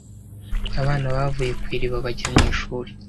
abana bavuye ku iriba bajya mu ishuri